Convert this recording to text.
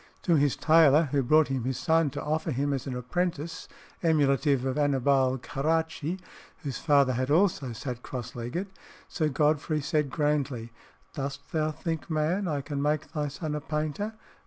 To his tailor who brought him his son to offer him as an apprentice emulative of Annibale Caracci, whose father had also sat cross legged, Sir Godfrey said, grandly, "Dost thou think, man, I can make thy son a painter?